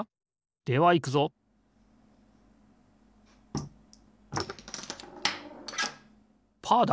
ではいくぞパーだ！